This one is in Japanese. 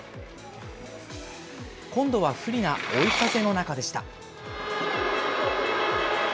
今度は不利な追い風の中でした。